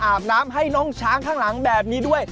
อาบน้ำให้น้องช้างข้างหลังแบบนี้ด้วย